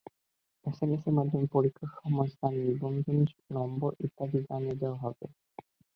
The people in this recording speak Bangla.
এসএমএসের মাধ্যমে পরীক্ষার সময়, স্থান, নিবন্ধন নম্বর ইত্যাদি তথ্য জানিয়ে দেওয়া হবে।